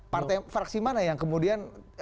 partai fraksi mana yang kemudian